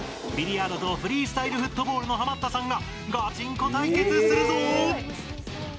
ビリヤードとフリースタイルフットボールのハマったさんがガチンコ対決するぞ！